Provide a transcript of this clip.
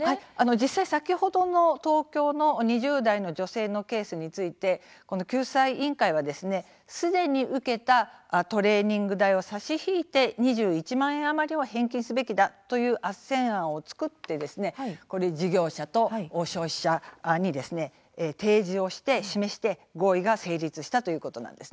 実際、先ほどの東京の２０代の女性のケースについて救済委員会は、すでに受けたトレーニング代を差し引いて２１万円余りを返金すべきだというあっせん案を作って事業者と消費者に提示をして合意が成立したということです。